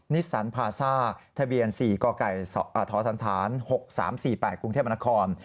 นิสสันพาซ่าทะเบียน๔กท๖๓๔๘กรุงเทพมนคร